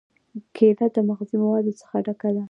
کېله له مغذي موادو ډکه ده.